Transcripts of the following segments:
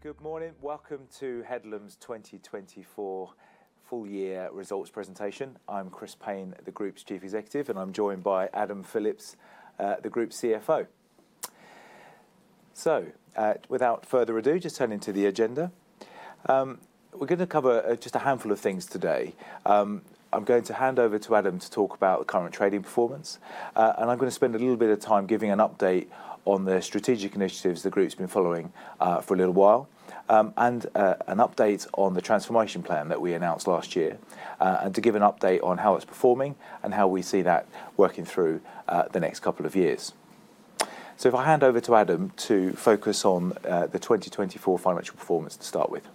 Good morning. Welcome to Headlam's 2024 full-year results presentation. I'm Chris Payne, the Group's Chief Executive, and I'm joined by Adam Phillips, the Group's CFO. Without further ado, just turning to the agenda. We're going to cover just a handful of things today. I'm going to hand over to Adam to talk about the current trading performance, and I'm going to spend a little bit of time giving an update on the strategic initiatives the Group's been following for a little while, and an update on the transformation plan that we announced last year, and to give an update on how it's performing and how we see that working through the next couple of years. If I hand over to Adam to focus on the 2024 financial performance to start with.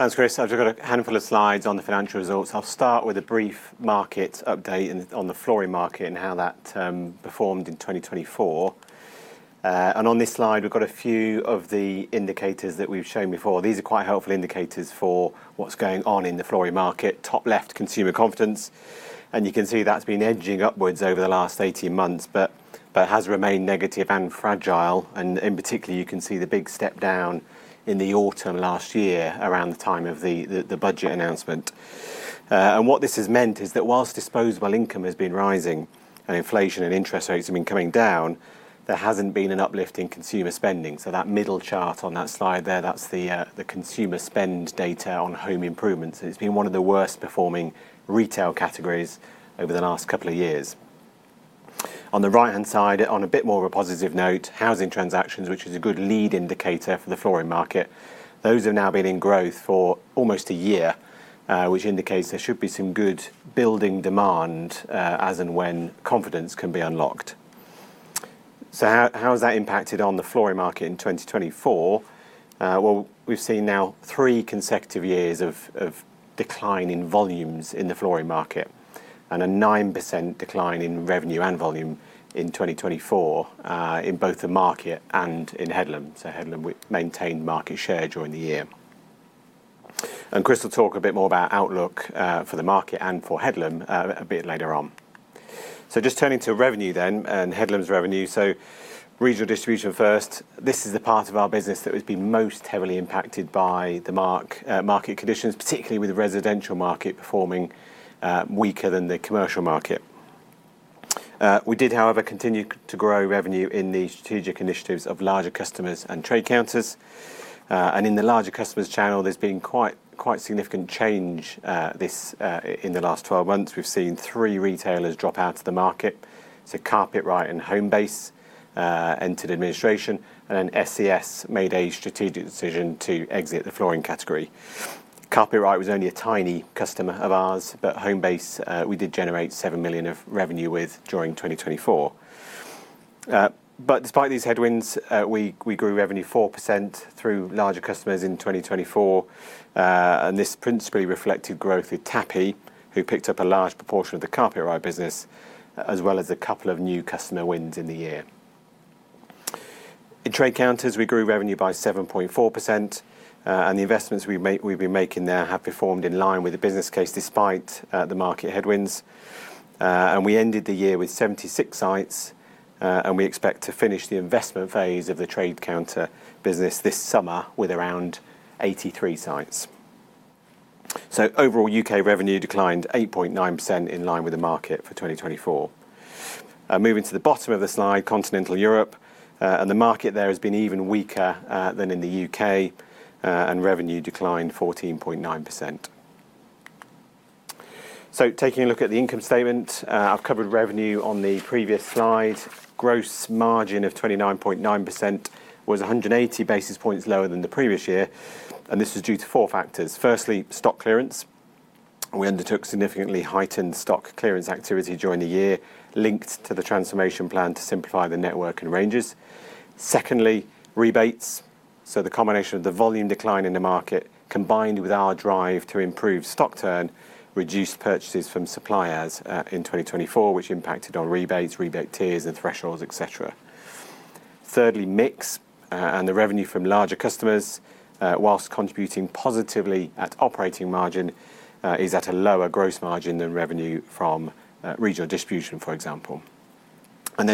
Thanks, Chris. I've just got a handful of slides on the financial results. I'll start with a brief market update on the flooring market and how that performed in 2024. On this slide, we've got a few of the indicators that we've shown before. These are quite helpful indicators for what's going on in the flooring market. Top left: consumer confidence. You can see that's been edging upwards over the last 18 months, but has remained negative and fragile. In particular, you can see the big step down in the autumn last year around the time of the budget announcement. What this has meant is that whilst disposable income has been rising and inflation and interest rates have been coming down, there hasn't been an uplift in consumer spending. That middle chart on that slide there, that's the consumer spend data on home improvements. It's been one of the worst-performing retail categories over the last couple of years. On the right-hand side, on a bit more of a positive note, housing transactions, which is a good lead indicator for the flooring market, those have now been in growth for almost a year, which indicates there should be some good building demand as and when confidence can be unlocked. How has that impacted on the flooring market in 2024? We've seen now 3 consecutive years of decline in volumes in the flooring market and a 9% decline in revenue and volume in 2024 in both the market and in Headlam. Headlam maintained market share during the year. Chris will talk a bit more about outlook for the market and for Headlam a bit later on. Just turning to revenue then and Headlam's revenue. Regional distribution first. This is the part of our business that has been most heavily impacted by the market conditions, particularly with the residential market performing weaker than the commercial market. We did, however, continue to grow revenue in the strategic initiatives of larger customers and trade counters. In the larger customers channel, there's been quite significant change in the last 12 months. We've seen 3 retailers drop out of the market. Carpetright and Homebase entered administration, and ScS made a strategic decision to exit the flooring category. Carpetright was only a tiny customer of ours, but with Homebase, we did generate 7 million of revenue during 2024. Despite these headwinds, we grew revenue 4% through larger customers in 2024. This principally reflected growth with Tapi, who picked up a large proportion of the Carpetright business, as well as a couple of new customer wins in the year. In trade counters, we grew revenue by 7.4%, and the investments we have been making there have performed in line with the business case despite the market headwinds. We ended the year with 76 sites, and we expect to finish the investment phase of the trade counter business this summer with around 83 sites. Overall, U.K. revenue declined 8.9% in line with the market for 2024. Moving to the bottom of the slide, continental Europe, the market there has been even weaker than in the U.K., and revenue declined 14.9%. Taking a look at the income statement, I have covered revenue on the previous slide. Gross margin of 29.9% was 180 basis points lower than the previous year, and this was due to four factors. Firstly, stock clearance. We undertook significantly heightened stock clearance activity during the year linked to the transformation plan to simplify the network and ranges. Secondly, rebates. The combination of the volume decline in the market combined with our drive to improve stock turn reduced purchases from suppliers in 2024, which impacted on rebates, rebate tiers, and thresholds, etc. Thirdly, mix and the revenue from larger customers, whilst contributing positively at operating margin, is at a lower gross margin than revenue from regional distribution, for example.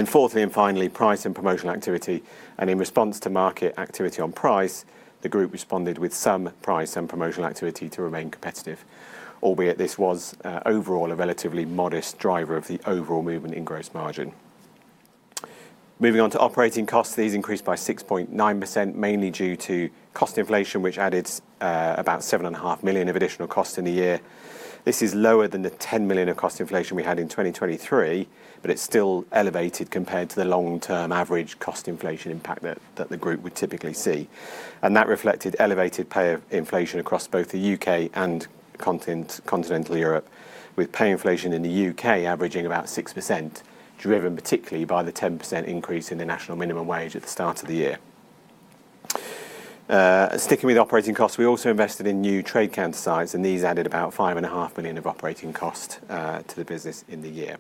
Fourthly and finally, price and promotional activity. In response to market activity on price, the Group responded with some price and promotional activity to remain competitive, albeit this was overall a relatively modest driver of the overall movement in gross margin. Moving on to operating costs, these increased by 6.9%, mainly due to cost inflation, which added about 7.5 million of additional cost in the year. This is lower than the 10 million of cost inflation we had in 2023, but it's still elevated compared to the long-term average cost inflation impact that the Group would typically see. That reflected elevated pay inflation across both the U.K. and Continental Europe, with pay inflation in the U.K. averaging about 6%, driven particularly by the 10% increase in the national minimum wage at the start of the year. Sticking with operating costs, we also invested in new trade counter sites, and these added about 5.5 million of operating cost to the business in the year.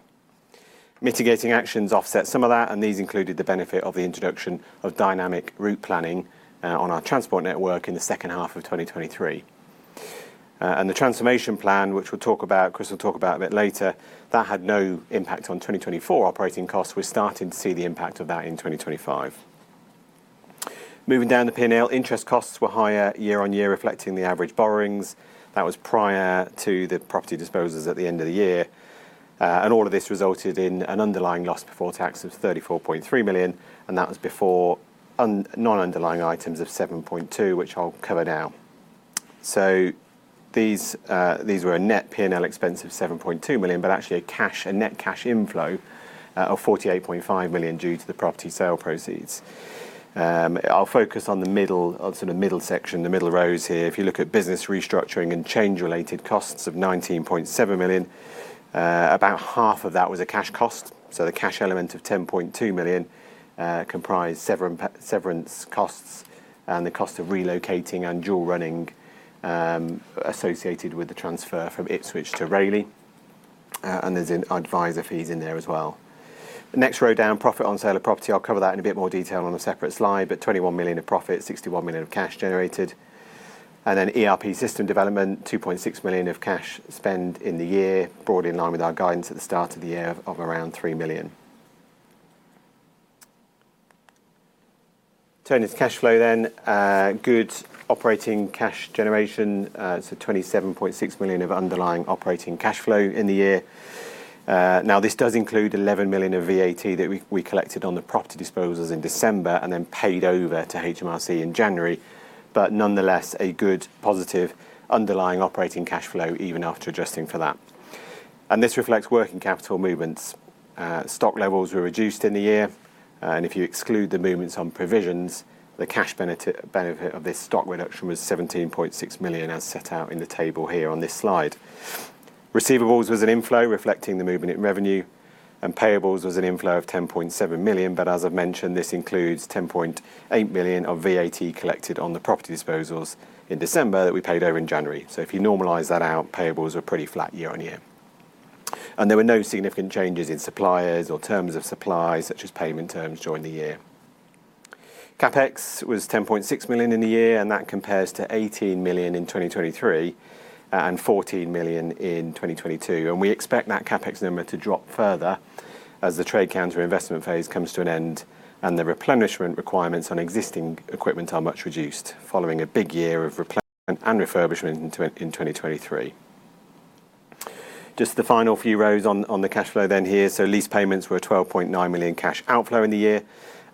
Mitigating actions offset some of that, and these included the benefit of the introduction of dynamic route planning on our transport network in the second half of 2023. The transformation plan, which we'll talk about, Chris will talk about a bit later, that had no impact on 2024 operating costs. We're starting to see the impact of that in 2025. Moving down the panel, interest costs were higher year-on-year, reflecting the average borrowings. That was prior to the property disposals at the end of the year. All of this resulted in an underlying loss before tax of 34.3 million, and that was before non-underlying items of 7.2 million, which I'll cover now. These were a net P&L expense of 7.2 million, but actually a net cash inflow of 48.5 million due to the property sale proceeds. I'll focus on the middle, sort of middle section, the middle rows here. If you look at business restructuring and change-related costs of 19.7 million, about half of that was a cash cost. The cash element of 10.2 million comprised severance costs and the cost of relocating and dual running associated with the transfer from Ipswich to Rayleigh. There are advisor fees in there as well. Next row down, profit on sale of property. I'll cover that in a bit more detail on a separate slide, but 21 million of profit, 61 million of cash generated. ERP system development, 2.6 million of cash spend in the year, broadly in line with our guidance at the start of the year of around 3 million. Turning to cash flow, good operating cash generation. 27.6 million of underlying operating cash flow in the year. Now, this does include 11 million of VAT that we collected on the property disposals in December and then paid over to HMRC in January, but nonetheless a good positive underlying operating cash flow even after adjusting for that. This reflects working capital movements. Stock levels were reduced in the year, and if you exclude the movements on provisions, the cash benefit of this stock reduction was 17.6 million as set out in the table here on this slide. Receivables was an inflow reflecting the movement in revenue, and payables was an inflow of 10.7 million, but as I have mentioned, this includes 10.8 million of VAT collected on the property disposals in December that we paid over in January. If you normalize that out, payables were pretty flat year on year. There were no significant changes in suppliers or terms of supply, such as payment terms during the year. CapEx was 10.6 million in the year, and that compares to 18 million in 2023 and 14 million in 2022. We expect that CapEx number to drop further as the trade counter investment phase comes to an end and the replenishment requirements on existing equipment are much reduced, following a big year of replenishment and refurbishment in 2023. Just the final few rows on the cash flow here. Lease payments were 12.9 million cash outflow in the year,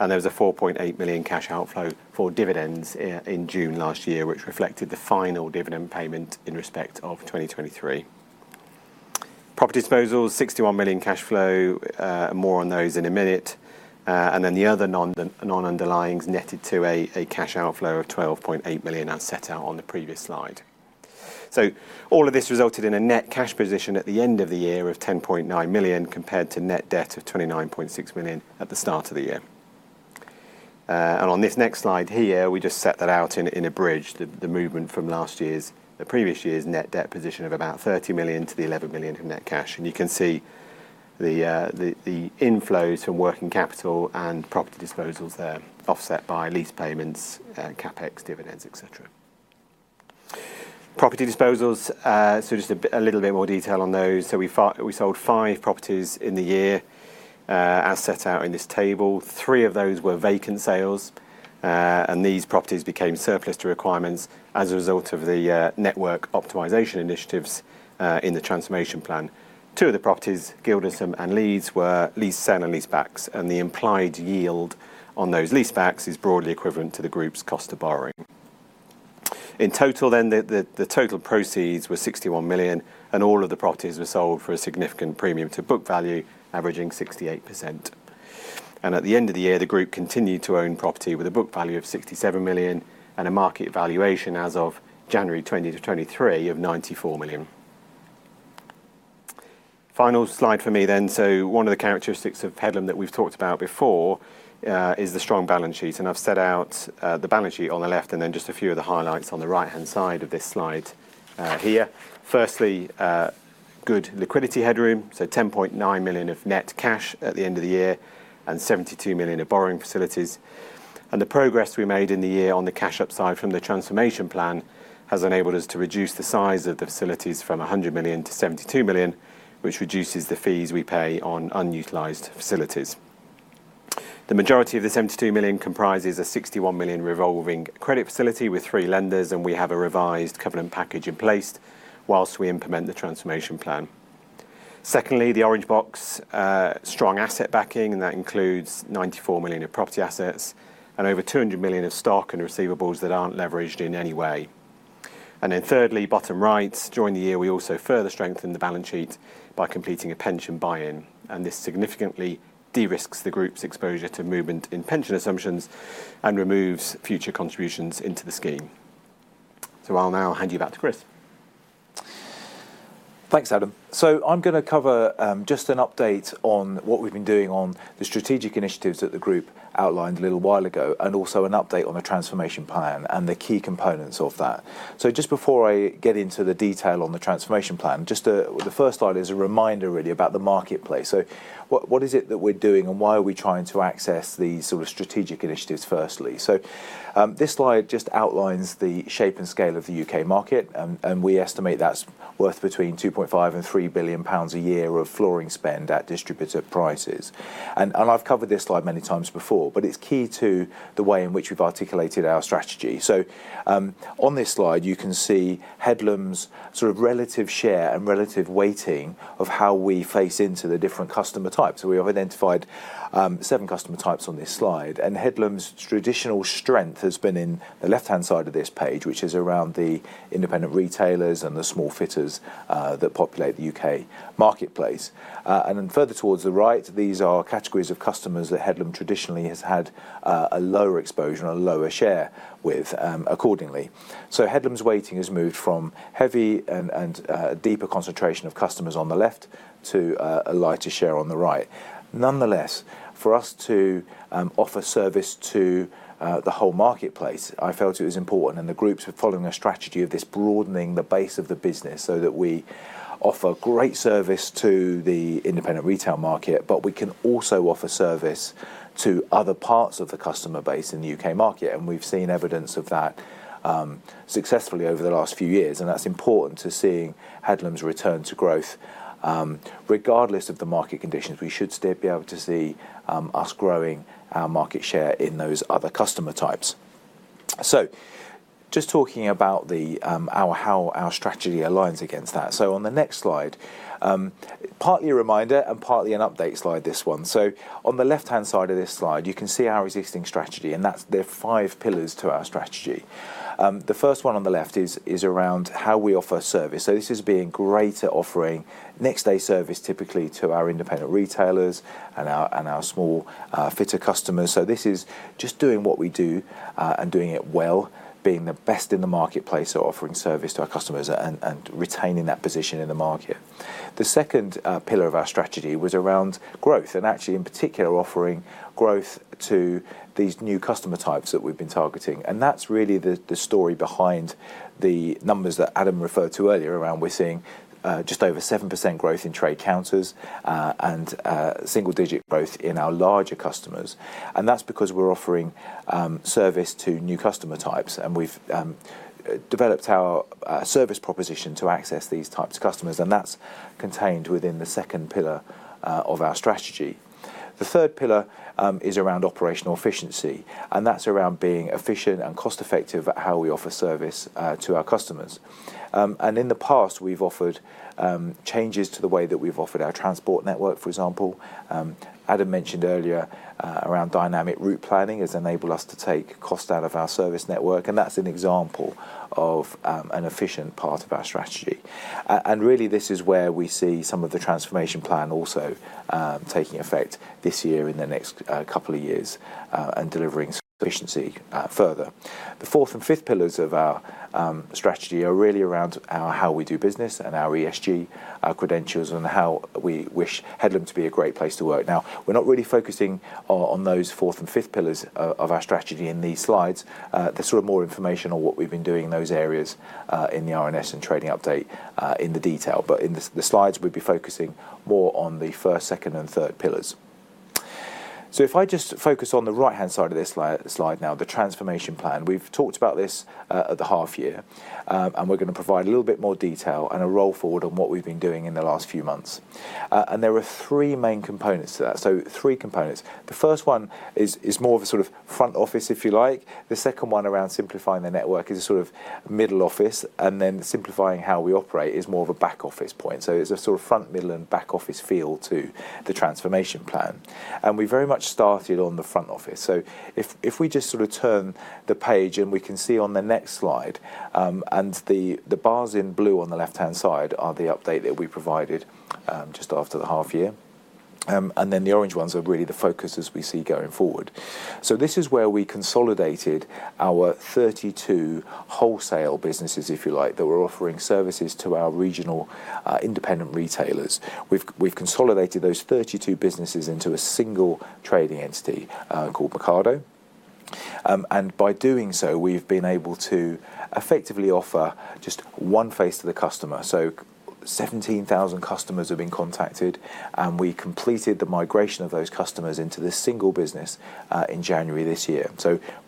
and there was a 4.8 million cash outflow for dividends in June last year, which reflected the final dividend payment in respect of 2023. Property disposals, 61 million cash flow, more on those in a minute. The other non-underlyings netted to a cash outflow of 12.8 million as set out on the previous slide. All of this resulted in a net cash position at the end of the year of 10.9 million compared to net debt of 29.6 million at the start of the year. On this next slide here, we just set that out in a bridge, the movement from last year's, the previous year's net debt position of about 30 million to the 11 million of net cash. You can see the inflows from working capital and property disposals there offset by lease payments, CapEx, dividends, etc. Property disposals, just a little bit more detail on those. We sold five properties in the year as set out in this table. Three of those were vacant sales, and these properties became surplus to requirements as a result of the network optimization initiatives in the transformation plan. Two of the properties, Gildersome and Leeds, were sale and leasebacks, and the implied yield on those lease backs is broadly equivalent to the Group's cost of borrowing. In total then, the total proceeds were 61 million, and all of the properties were sold for a significant premium to book value, averaging 68%. At the end of the year, the Group continued to own property with a book value of 67 million and a market valuation as of January 2023 of 94 million. Final slide for me then. One of the characteristics of Headlam that we've talked about before is the strong balance sheet. I've set out the balance sheet on the left and then just a few of the highlights on the right-hand side of this slide here. Firstly, good liquidity headroom. 10.9 million of net cash at the end of the year and 72 million of borrowing facilities. The progress we made in the year on the cash upside from the transformation plan has enabled us to reduce the size of the facilities from 100 to 72 million, which reduces the fees we pay on unutilized facilities. The majority of the 72 million comprises a 61 million revolving credit facility with three lenders, and we have a revised covenant package in place whilst we implement the transformation plan. Secondly, the orange box, strong asset backing, and that includes 94 million of property assets and over 200 million of stock and receivables that aren't leveraged in any way. Thirdly, bottom right, during the year, we also further strengthened the balance sheet by completing a pension buy-in. This significantly de-risks the Group's exposure to movement in pension assumptions and removes future contributions into the scheme. I'll now hand you back to Chris. Thanks, Adam. I'm going to cover just an update on what we've been doing on the strategic initiatives that the Group outlined a little while ago, and also an update on the transformation plan and the key components of that. Just before I get into the detail on the transformation plan, the first slide is a reminder really about the marketplace. What is it that we're doing and why are we trying to access these sort of strategic initiatives firstly? This slide just outlines the shape and scale of the U.K. market, and we estimate that's worth between 2.5 and 3 billion a year of flooring spend at distributor prices. I've covered this slide many times before, but it's key to the way in which we've articulated our strategy. On this slide, you can see Headlam's sort of relative share and relative weighting of how we face into the different customer types. We have identified seven customer types on this slide. Headlam's traditional strength has been in the left-hand side of this page, which is around the independent retailers and the small fitters that populate the U.K. marketplace. Further towards the right, these are categories of customers that Headlam traditionally has had a lower exposure and a lower share with accordingly. Headlam's weighting has moved from heavy and deeper concentration of customers on the left to a lighter share on the right. Nonetheless, for us to offer service to the whole marketplace, I felt it was important, and the Group's following a strategy of this broadening the base of the business so that we offer great service to the independent retail market, but we can also offer service to other parts of the customer base in the U.K. market. We've seen evidence of that successfully over the last few years, and that's important to seeing Headlam's return to growth regardless of the market conditions. We should still be able to see us growing our market share in those other customer types. Just talking about how our strategy aligns against that. On the next slide, partly a reminder and partly an update slide this one. On the left-hand side of this slide, you can see our existing strategy, and that's the five pillars to our strategy. The first one on the left is around how we offer service. This is being greater offering next-day service typically to our independent retailers and our small fitter customers. This is just doing what we do and doing it well, being the best in the marketplace of offering service to our customers and retaining that position in the market. The second pillar of our strategy was around growth and actually in particular offering growth to these new customer types that we've been targeting. That's really the story behind the numbers that Adam referred to earlier around we're seeing just over 7% growth in trade counters and single-digit growth in our larger customers. That is because we are offering service to new customer types, and we have developed our service proposition to access these types of customers, and that is contained within the second pillar of our strategy. The third pillar is around operational efficiency, and that is about being efficient and cost-effective at how we offer service to our customers. In the past, we have offered changes to the way that we have offered our transport network, for example. Adam mentioned earlier that dynamic route planning has enabled us to take cost out of our service network, and that is an example of an efficient part of our strategy. Really, this is where we see some of the transformation plan also taking effect this year and the next couple of years and delivering efficiency further. The fourth and fifth pillars of our strategy are really around how we do business and our ESG credentials and how we wish Headlam to be a great place to work. Now, we're not really focusing on those fourth and fifth pillars of our strategy in these slides. There is more information on what we've been doing in those areas in the RNS and trading update in the detail, but in the slides, we'll be focusing more on the first, second, and third pillars. If I just focus on the right-hand side of this slide now, the transformation plan, we've talked about this at the half year, and we're going to provide a little bit more detail and a roll forward on what we've been doing in the last few months. There are 3 main components to that. Three components. The first one is more of a sort of front office, if you like. The second one around simplifying the network is a sort of middle office, and then simplifying how we operate is more of a back office point. It is a sort of front, middle, and back office feel to the transformation plan. We very much started on the front office. If we just sort of turn the page, we can see on the next slide, the bars in blue on the left-hand side are the update that we provided just after the half year. The orange ones are really the focuses we see going forward. This is where we consolidated our 32 wholesale businesses, if you like, that were offering services to our regional independent retailers. We have consolidated those 32 businesses into a single trading entity called Mercado. By doing so, we've been able to effectively offer just one face to the customer. Seventeen thousand customers have been contacted, and we completed the migration of those customers into this single business in January this year.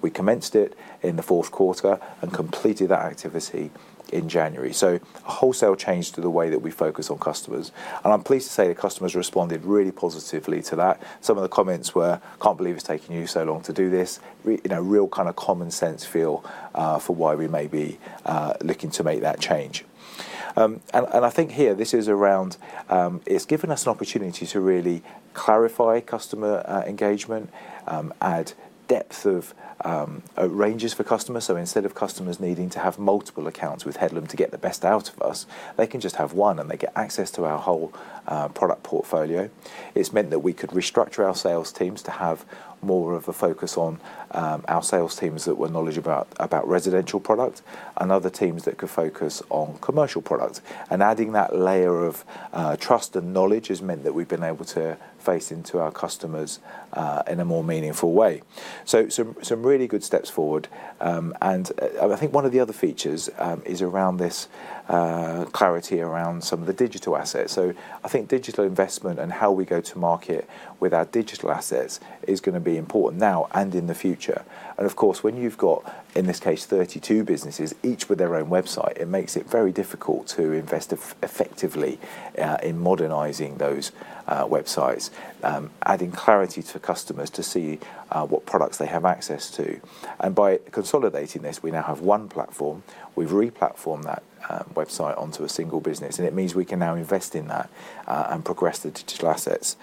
We commenced it in the fourth quarter and completed that activity in January. A wholesale change to the way that we focus on customers. I'm pleased to say the customers responded really positively to that. Some of the comments were, "Can't believe it's taken you so long to do this." Real kind of common sense feel for why we may be looking to make that change. I think here, this is around, it's given us an opportunity to really clarify customer engagement, add depth of ranges for customers. Instead of customers needing to have multiple accounts with Headlam to get the best out of us, they can just have one, and they get access to our whole product portfolio. It has meant that we could restructure our sales teams to have more of a focus on our sales teams that were knowledgeable about residential product and other teams that could focus on commercial product. Adding that layer of trust and knowledge has meant that we have been able to face into our customers in a more meaningful way. Some really good steps forward. I think one of the other features is around this clarity around some of the digital assets. I think digital investment and how we go to market with our digital assets is going to be important now and in the future. Of course, when you've got, in this case, 32 businesses each with their own website, it makes it very difficult to invest effectively in modernizing those websites, adding clarity to customers to see what products they have access to. By consolidating this, we now have one platform. We've re-platformed that website onto a single business, and it means we can now invest in that and progress the digital assets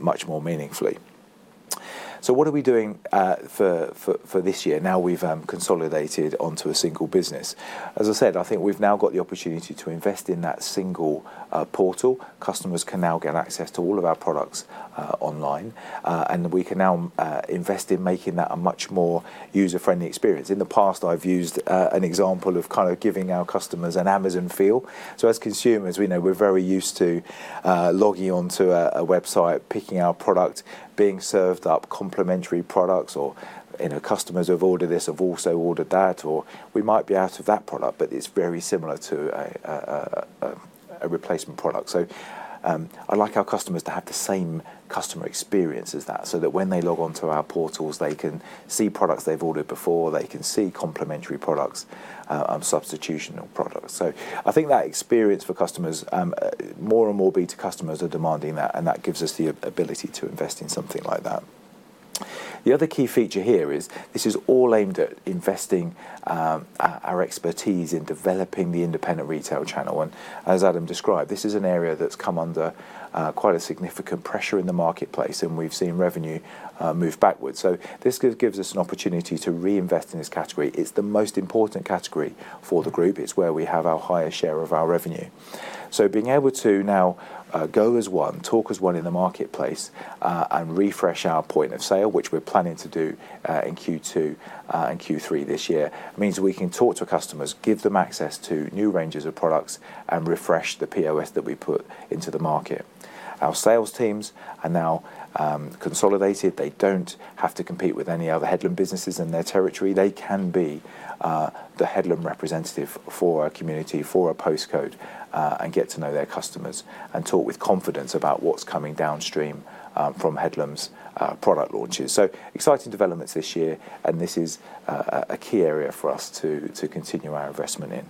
much more meaningfully. What are we doing for this year now we've consolidated onto a single business? As I said, I think we've now got the opportunity to invest in that single portal. Customers can now get access to all of our products online, and we can now invest in making that a much more user-friendly experience. In the past, I've used an example of kind of giving our customers an Amazon feel. As consumers, we know we're very used to logging onto a website, picking our product, being served up complimentary products, or customers have ordered this, have also ordered that, or we might be out of that product, but it's very similar to a replacement product. I'd like our customers to have the same customer experience as that so that when they log onto our portals, they can see products they've ordered before, they can see complimentary products and substitutional products. I think that experience for customers, more and more B2B customers are demanding that, and that gives us the ability to invest in something like that. The other key feature here is this is all aimed at investing our expertise in developing the independent retail channel. As Adam described, this is an area that has come under quite a significant pressure in the marketplace, and we have seen revenue move backwards. This gives us an opportunity to reinvest in this category. It is the most important category for the Group. It is where we have our highest share of our revenue. Being able to now go as one, talk as one in the marketplace and refresh our point of sale, which we are planning to do in Q2 and Q3 this year, means we can talk to customers, give them access to new ranges of products, and refresh the POS that we put into the market. Our sales teams are now consolidated. They do not have to compete with any other Headlam businesses in their territory. They can be the Headlam representative for our community, for our postcode, and get to know their customers and talk with confidence about what's coming downstream from Headlam's product launches. Exciting developments this year, and this is a key area for us to continue our investment in.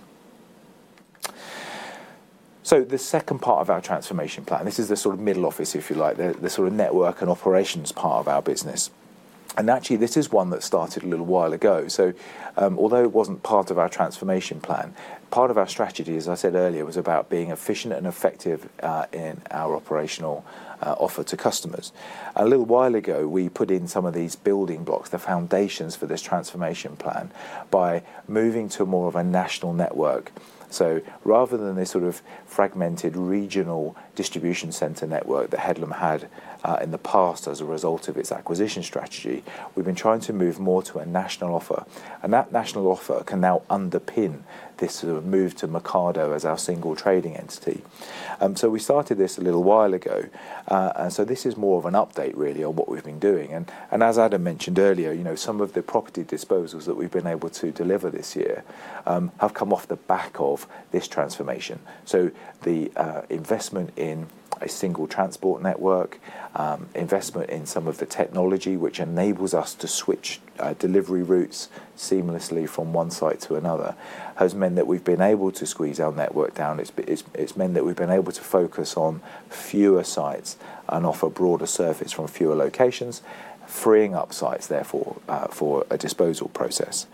The second part of our transformation plan, this is the sort of middle office, if you like, the sort of network and operations part of our business. Actually, this is one that started a little while ago. Although it was not part of our transformation plan, part of our strategy, as I said earlier, was about being efficient and effective in our operational offer to customers. A little while ago, we put in some of these building blocks, the foundations for this transformation plan, by moving to more of a national network. Rather than this sort of fragmented regional distribution center network that Headlam had in the past as a result of its acquisition strategy, we've been trying to move more to a national offer. That national offer can now underpin this sort of move to Mercado as our single trading entity. We started this a little while ago, and this is more of an update really on what we've been doing. As Adam mentioned earlier, some of the property disposals that we've been able to deliver this year have come off the back of this transformation. The investment in a single transport network, investment in some of the technology which enables us to switch delivery routes seamlessly from one site to another, has meant that we've been able to squeeze our network down. has meant that we've been able to focus on fewer sites and offer broader service from fewer locations, freeing up sites, therefore, for a disposal process.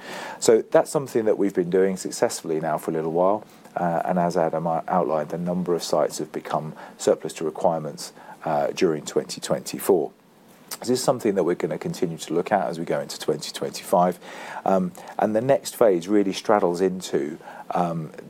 That is something that we've been doing successfully now for a little while. As Adam outlined, the number of sites have become surplus to requirements during 2024. This is something that we're going to continue to look at as we go into 2025. The next phase really straddles into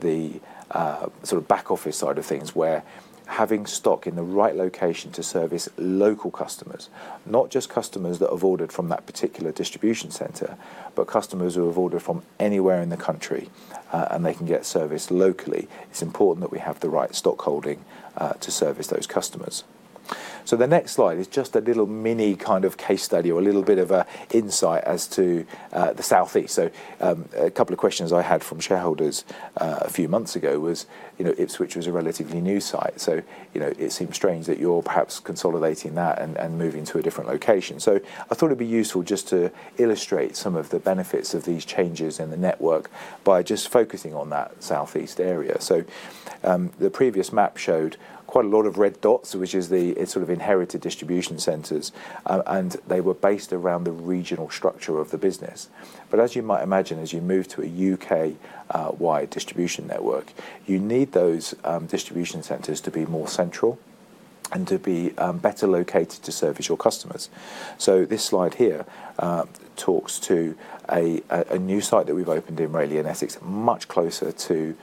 the sort of back office side of things, where having stock in the right location to service local customers, not just customers that have ordered from that particular distribution center, but customers who have ordered from anywhere in the country and they can get service locally, it's important that we have the right stock holding to service those customers. The next slide is just a little mini kind of case study or a little bit of an insight as to the Southeast. A couple of questions I had from shareholders a few months ago was, which was a relatively new site. It seems strange that you're perhaps consolidating that and moving to a different location. I thought it'd be useful just to illustrate some of the benefits of these changes in the network by just focusing on that Southeast area. The previous map showed quite a lot of red dots, which is the sort of inherited distribution centers, and they were based around the regional structure of the business. As you might imagine, as you move to a U.K.-wide distribution network, you need those distribution centers to be more central and to be better located to service your customers. This slide here talks to a new site that we've opened in Raleigh in Essex, much closer to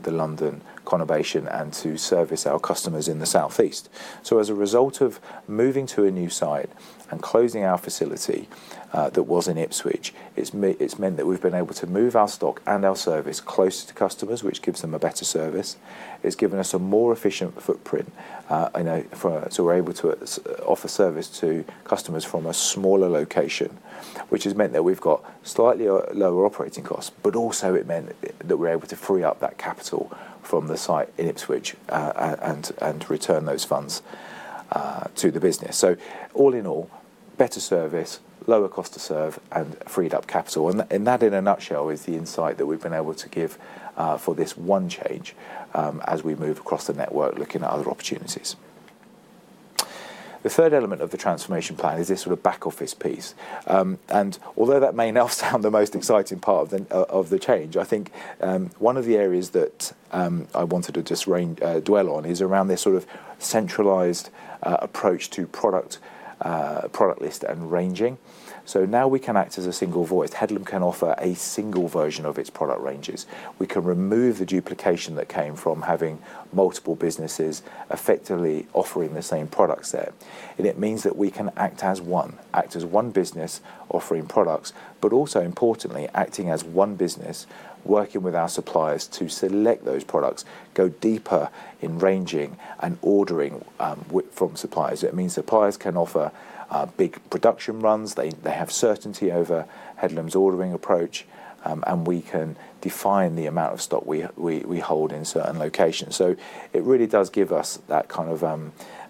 the London Conurbation and to service our customers in the Southeast. As a result of moving to a new site and closing our facility that was in Ipswich, it's meant that we've been able to move our stock and our service closer to customers, which gives them a better service. It's given us a more efficient footprint, so we're able to offer service to customers from a smaller location, which has meant that we've got slightly lower operating costs, but also it meant that we're able to free up that capital from the site in Ipswich and return those funds to the business. All in all, better service, lower cost to serve, and freed up capital. That, in a nutshell, is the insight that we've been able to give for this one change as we move across the network, looking at other opportunities. The third element of the transformation plan is this sort of back office piece. Although that may now sound the most exciting part of the change, I think one of the areas that I wanted to just dwell on is around this sort of centralized approach to product list and ranging. Now we can act as a single voice. Headlam can offer a single version of its product ranges. We can remove the duplication that came from having multiple businesses effectively offering the same products there. It means that we can act as one, act as one business offering products, but also, importantly, acting as one business, working with our suppliers to select those products, go deeper in ranging and ordering from suppliers. It means suppliers can offer big production runs. They have certainty over Headlam's ordering approach, and we can define the amount of stock we hold in certain locations. It really does give us that kind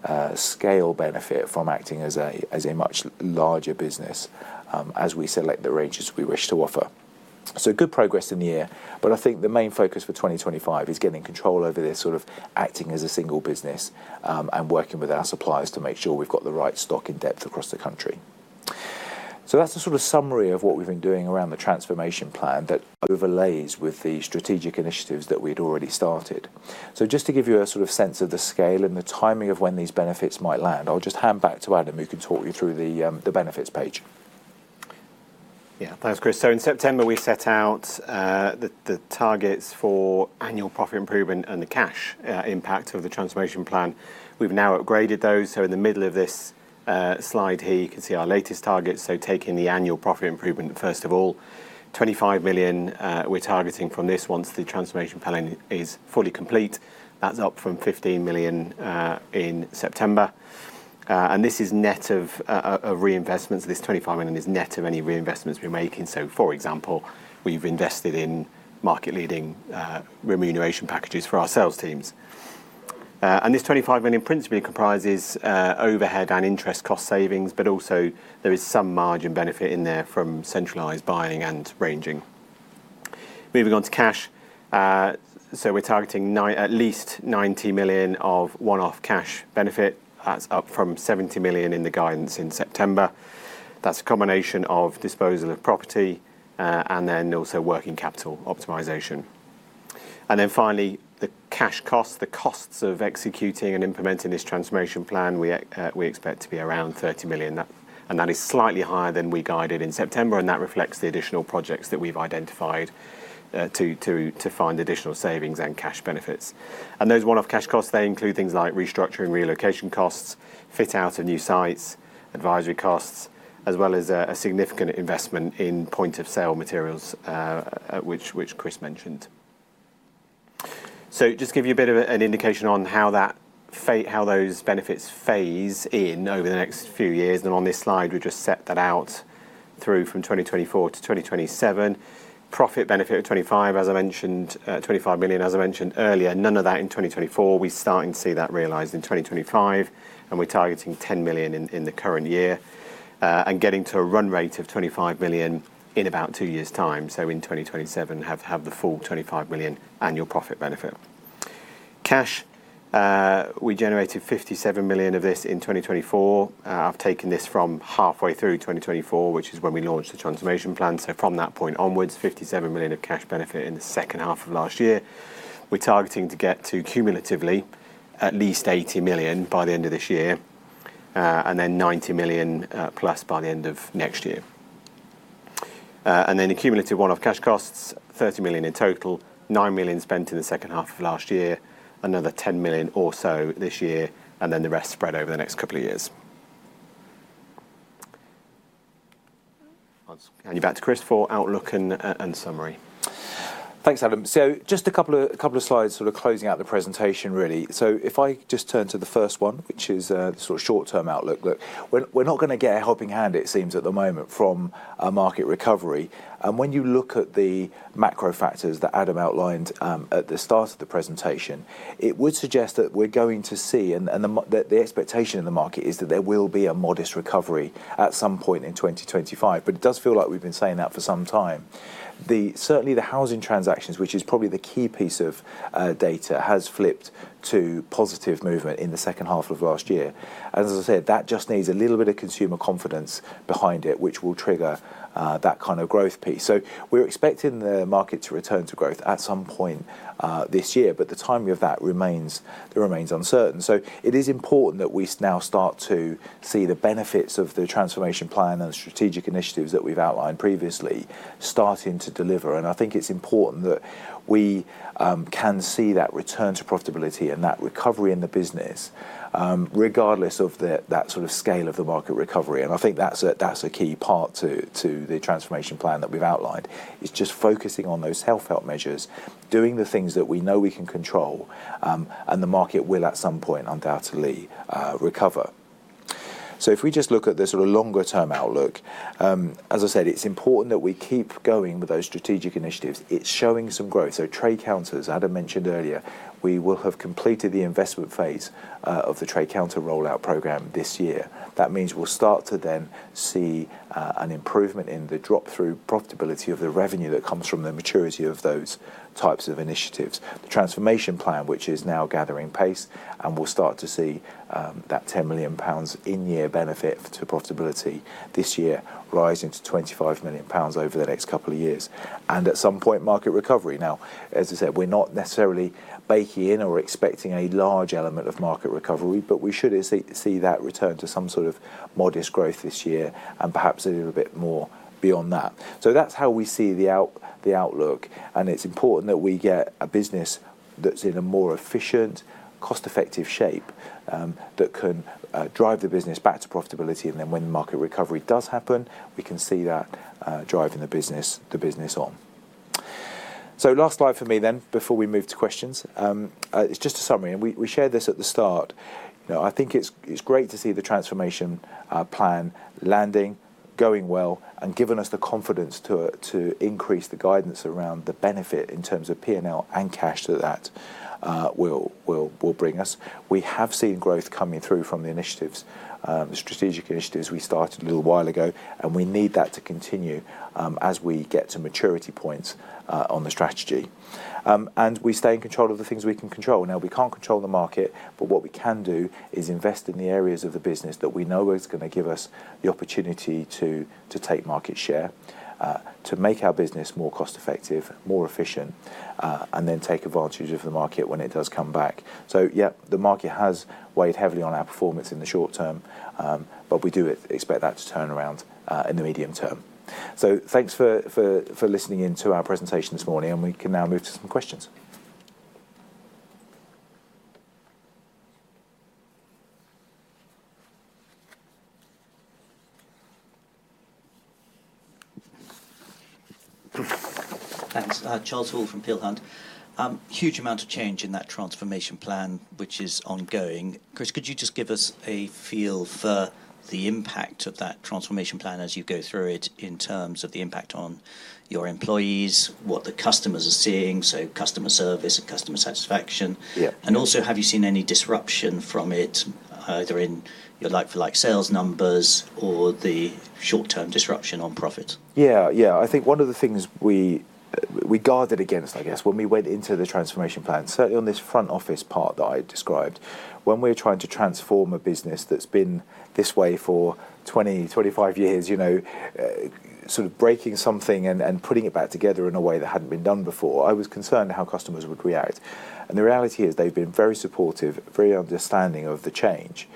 of scale benefit from acting as a much larger business as we select the ranges we wish to offer. Good progress in the year, but I think the main focus for 2025 is getting control over this sort of acting as a single business and working with our suppliers to make sure we've got the right stock in depth across the country. That's a sort of summary of what we've been doing around the transformation plan that overlays with the strategic initiatives that we'd already started. Just to give you a sort of sense of the scale and the timing of when these benefits might land, I'll just hand back to Adam who can talk you through the benefits page. Yeah, thanks, Chris. In September, we set out the targets for annual profit improvement and the cash impact of the transformation plan. We've now upgraded those. In the middle of this slide here, you can see our latest targets. Taking the annual profit improvement, first of all, 25 million we're targeting from this once the transformation plan is fully complete. That's up from 15 million in September. This is net of reinvestments. This 25 million is net of any reinvestments we're making. For example, we've invested in market-leading remuneration packages for our sales teams. This 25 million principally comprises overhead and interest cost savings, but also there is some margin benefit in there from centralised buying and ranging. Moving on to cash. We're targeting at least 90 million of one-off cash benefit. That's up from 70 million in the guidance in September. That's a combination of disposal of property and then also working capital optimization. Finally, the cash costs, the costs of executing and implementing this transformation plan, we expect to be around 30 million. That is slightly higher than we guided in September, and that reflects the additional projects that we've identified to find additional savings and cash benefits. Those one-off cash costs include things like restructuring relocation costs, fit-out of new sites, advisory costs, as well as a significant investment in point-of-sale materials, which Chris mentioned. Just to give you a bit of an indication on how those benefits phase in over the next few years. On this slide, we have just set that out through from 2024 to 2027. Profit benefit of 25 million, as I mentioned earlier, none of that in 2024. We are starting to see that realized in 2025, and we are targeting 10 million in the current year and getting to a run rate of 25 million in about 2 years' time. In 2027, we have the full 25 million annual profit benefit. Cash, we generated 57 million of this in 2024. I have taken this from halfway through 2024, which is when we launched the transformation plan. From that point onwards, 57 million of cash benefit in the second half of last year. We're targeting to get to cumulatively at least 80 million by the end of this year and then 90 million plus by the end of next year. The cumulative one-off cash costs, 30 million in total, 9 million spent in the second half of last year, another 10 million or so this year, and then the rest spread over the next couple of years. You're back to Chris for outlook and summary. Thanks, Adam. Just a couple of slides sort of closing out the presentation, really. If I just turn to the first one, which is the sort of short-term outlook, look, we're not going to get a helping hand, it seems, at the moment from a market recovery. When you look at the macro factors that Adam outlined at the start of the presentation, it would suggest that we're going to see, and the expectation in the market is that there will be a modest recovery at some point in 2025. It does feel like we've been saying that for some time. Certainly, the housing transactions, which is probably the key piece of data, has flipped to positive movement in the second half of last year. As I said, that just needs a little bit of consumer confidence behind it, which will trigger that kind of growth piece. We're expecting the market to return to growth at some point this year, but the timing of that remains uncertain. It is important that we now start to see the benefits of the transformation plan and strategic initiatives that we've outlined previously starting to deliver. I think it's important that we can see that return to profitability and that recovery in the business, regardless of that sort of scale of the market recovery. I think that's a key part to the transformation plan that we've outlined, just focusing on those self-help measures, doing the things that we know we can control, and the market will, at some point, undoubtedly recover. If we just look at the sort of longer-term outlook, as I said, it's important that we keep going with those strategic initiatives. It's showing some growth. Trade counters, Adam mentioned earlier, we will have completed the investment phase of the trade counter rollout programme this year. That means we'll start to then see an improvement in the drop-through profitability of the revenue that comes from the maturity of those types of initiatives. The transformation plan, which is now gathering pace, and we'll start to see that 10 million pounds in year benefit to profitability this year rising to 25 million pounds over the next couple of years. At some point, market recovery. Now, as I said, we're not necessarily baking in or expecting a large element of market recovery, but we should see that return to some sort of modest growth this year and perhaps a little bit more beyond that. That is how we see the outlook. It is important that we get a business that's in a more efficient, cost-effective shape that can drive the business back to profitability. When the market recovery does happen, we can see that driving the business on. Last slide for me then before we move to questions. It is just a summary. We shared this at the start. I think it's great to see the transformation plan landing, going well, and giving us the confidence to increase the guidance around the benefit in terms of P&L and cash that that will bring us. We have seen growth coming through from the initiatives, strategic initiatives we started a little while ago, and we need that to continue as we get to maturity points on the strategy. We stay in control of the things we can control. Now, we can't control the market, but what we can do is invest in the areas of the business that we know are going to give us the opportunity to take market share, to make our business more cost-effective, more efficient, and then take advantage of the market when it does come back. Yeah, the market has weighed heavily on our performance in the short term, but we do expect that to turn around in the medium term. Thanks for listening in to our presentation this morning, and we can now move to some questions. Thanks. Charles Hall from Peel Hunt. Huge amount of change in that transformation plan, which is ongoing. Chris, could you just give us a feel for the impact of that transformation plan as you go through it in terms of the impact on your employees, what the customers are seeing, so customer service and customer satisfaction? Also, have you seen any disruption from it, either in your like-for-like sales numbers or the short-term disruption on profits? Yeah, yeah. I think one of the things we guarded against, I guess, when we went into the transformation plan, certainly on this front office part that I described, when we're trying to transform a business that's been this way for 20, 25 years, sort of breaking something and putting it back together in a way that hadn't been done before, I was concerned how customers would react. The reality is they've been very supportive, very understanding of the change.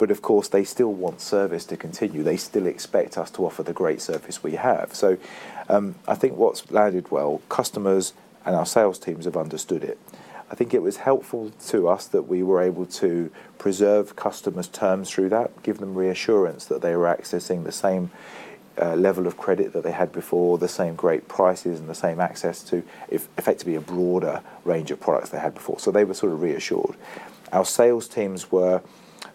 Of course, they still want service to continue. They still expect us to offer the great service we have. I think what's landed well, customers and our sales teams have understood it. I think it was helpful to us that we were able to preserve customers' terms through that, give them reassurance that they were accessing the same level of credit that they had before, the same great prices and the same access to, effectively, a broader range of products they had before. They were sort of reassured. Our sales teams were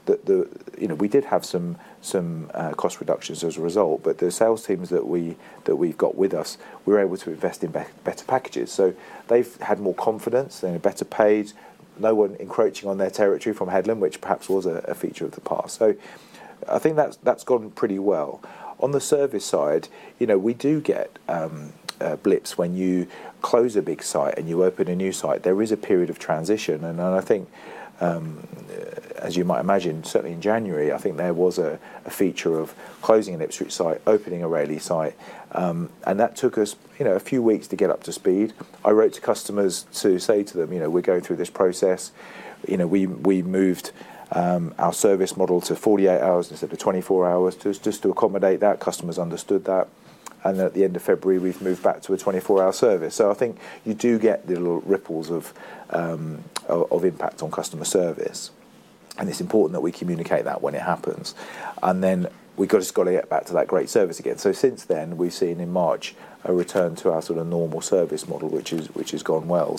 that we did have some cost reductions as a result, but the sales teams that we got with us, we were able to invest in better packages. They have had more confidence. They are better paid. No one encroaching on their territory from Headlam, which perhaps was a feature of the past. I think that has gone pretty well. On the service side, we do get blips when you close a big site and you open a new site. There is a period of transition. I think, as you might imagine, certainly in January, there was a feature of closing an Ipswich site, opening a Raleigh site. That took us a few weeks to get up to speed. I wrote to customers to say to them, "We're going through this process. We moved our service model to 48 hours instead of 24 hours just to accommodate that." Customers understood that. At the end of February, we've moved back to a 24-hour service. I think you do get the little ripples of impact on customer service. It's important that we communicate that when it happens. We've just got to get back to that great service again. Since then, we've seen in March a return to our sort of normal service model, which has gone well.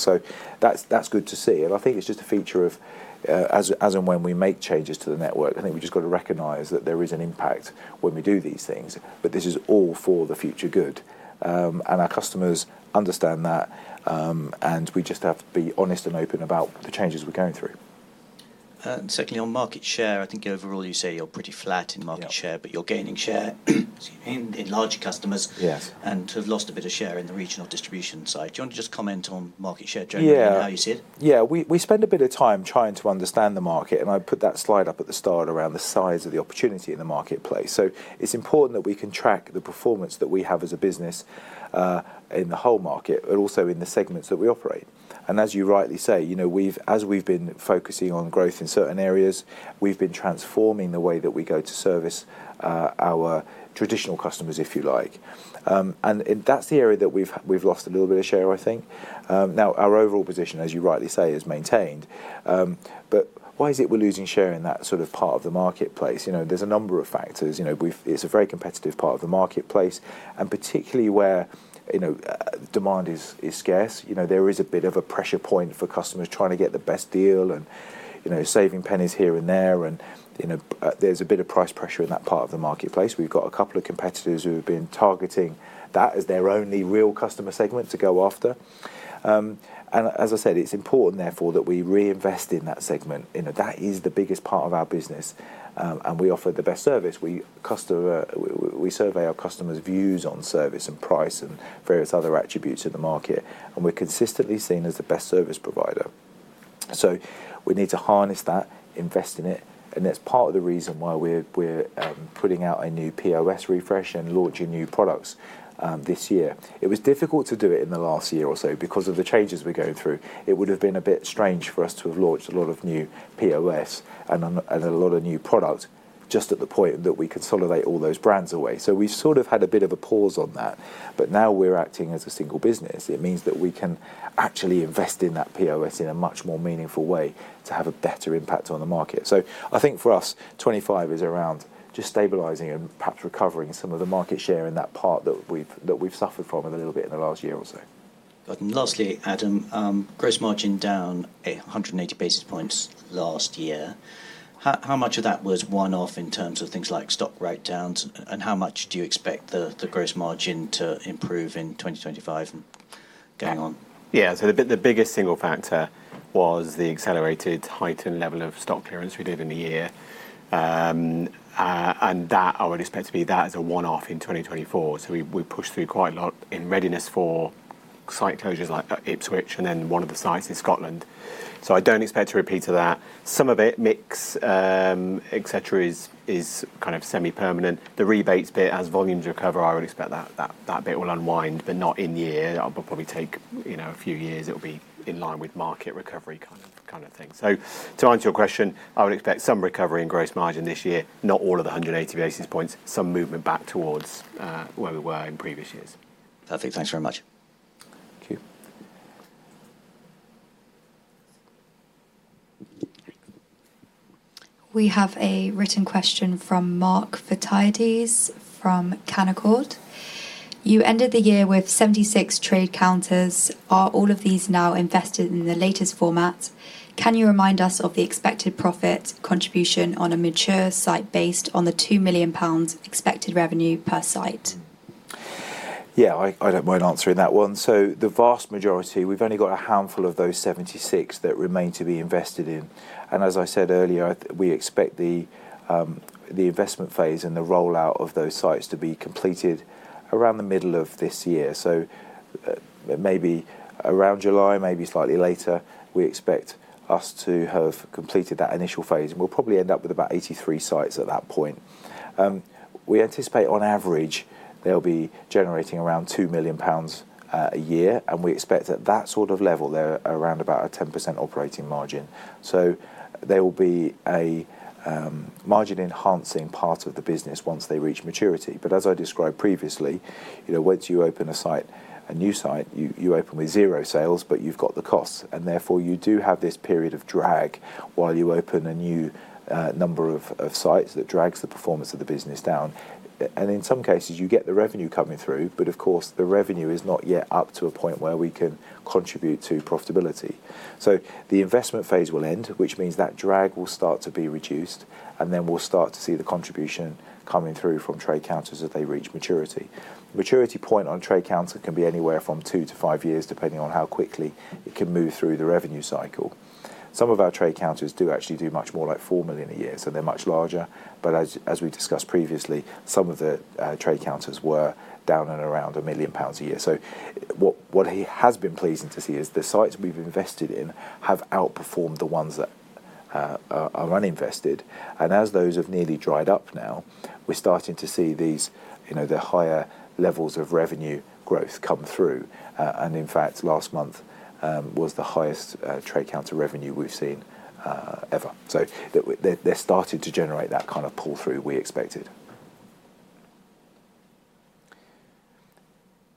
That's good to see. I think it's just a feature of, as and when we make changes to the network, we've just got to recognize that there is an impact when we do these things. This is all for the future good. Our customers understand that, and we just have to be honest and open about the changes we're going through. Certainly on market share, I think overall you say you're pretty flat in market share, but you're gaining share in larger customers and have lost a bit of share in the regional distribution side. Do you want to just comment on market share generally and how you see it? Yeah, we spend a bit of time trying to understand the market, and I put that slide up at the start around the size of the opportunity in the marketplace. It is important that we can track the performance that we have as a business in the whole market, but also in the segments that we operate. As you rightly say, as we've been focusing on growth in certain areas, we've been transforming the way that we go to service our traditional customers, if you like. That is the area that we've lost a little bit of share, I think. Our overall position, as you rightly say, is maintained. Why is it we're losing share in that sort of part of the marketplace? There are a number of factors. It is a very competitive part of the marketplace. Particularly where demand is scarce, there is a bit of a pressure point for customers trying to get the best deal and saving pennies here and there. There is a bit of price pressure in that part of the marketplace. We've got a couple of competitors who have been targeting that as their only real customer segment to go after. As I said, it's important, therefore, that we reinvest in that segment. That is the biggest part of our business. We offer the best service. We survey our customers' views on service and price and various other attributes of the market. We're consistently seen as the best service provider. We need to harness that, invest in it. That's part of the reason why we're putting out a new POS refresh and launching new products this year. It was difficult to do it in the last year or so because of the changes we're going through. It would have been a bit strange for us to have launched a lot of new POS and a lot of new products just at the point that we consolidate all those brands away. We have sort of had a bit of a pause on that. Now we are acting as a single business. It means that we can actually invest in that POS in a much more meaningful way to have a better impact on the market. I think for us, 2025 is around just stabilizing and perhaps recovering some of the market share in that part that we have suffered from a little bit in the last year or so. Lastly, Adam, gross margin down 180 basis points last year. How much of that was one-off in terms of things like stock write-downs? How much do you expect the gross margin to improve in 2025 and going on? Yeah, the biggest single factor was the accelerated heightened level of stock clearance we did in the year. I would expect that to be a one-off in 2024. We pushed through quite a lot in readiness for site closures like Ipswich and then one of the sites in Scotland. I do not expect to repeat that. Some of it, mix, etc., is kind of semi-permanent. The rebates bit, as volumes recover, I would expect that bit will unwind, but not in year. That will probably take a few years. It will be in line with market recovery kind of thing. To answer your question, I would expect some recovery in gross margin this year, not all of the 180 basis points, some movement back towards where we were in previous years. Perfect. Thanks very much. Thank you. We have a written question from Mark Phythian from Canaccord. You ended the year with 76 trade counters. Are all of these now invested in the latest format? Can you remind us of the expected profit contribution on a mature site based on the 2 million pounds expected revenue per site? Yeah, I do not mind answering that one. The vast majority, we have only got a handful of those 76 that remain to be invested in. As I said earlier, we expect the investment phase and the rollout of those sites to be completed around the middle of this year. Maybe around July, maybe slightly later, we expect us to have completed that initial phase. We'll probably end up with about 83 sites at that point. We anticipate, on average, they'll be generating around 2 million pounds a year. We expect at that sort of level, they're around about a 10% operating margin. There will be a margin-enhancing part of the business once they reach maturity. As I described previously, once you open a site, a new site, you open with zero sales, but you've got the costs. Therefore, you do have this period of drag while you open a new number of sites that drags the performance of the business down. In some cases, you get the revenue coming through, but of course, the revenue is not yet up to a point where we can contribute to profitability. The investment phase will end, which means that drag will start to be reduced, and then we'll start to see the contribution coming through from trade counters as they reach maturity. Maturity point on a trade counter can be anywhere from two to five years, depending on how quickly it can move through the revenue cycle. Some of our trade counters do actually do much more like 4 million a year, so they're much larger. As we discussed previously, some of the trade counters were down at around 1 million pounds a year. What has been pleasing to see is the sites we've invested in have outperformed the ones that are uninvested. As those have nearly dried up now, we're starting to see the higher levels of revenue growth come through. In fact, last month was the highest trade counter revenue we've seen ever. They're starting to generate that kind of pull-through we expected.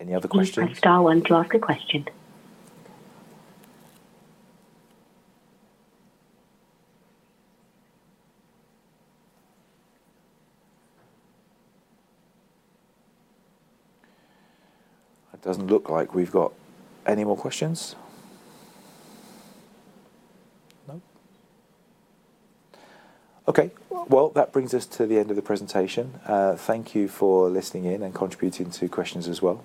Any other questions? Thanks, Charles. I'm going to ask a question. It doesn't look like we've got any more questions. Nope. Okay. That brings us to the end of the presentation. Thank you for listening in and contributing to questions as well.